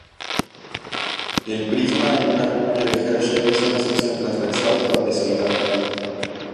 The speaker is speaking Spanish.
El prisma en una cuña de Herschel es una sección transversal trapezoidal.